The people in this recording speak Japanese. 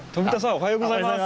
おはようございます。